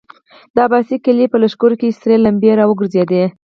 د عباس قلي په لښکر کې سرې لمبې را وګرځېدې.